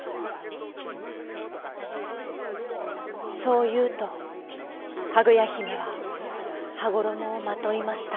そういうとかぐやひめははごろもをまといました。